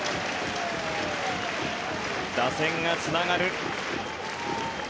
打線がつながる。